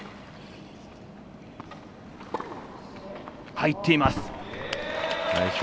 入っています。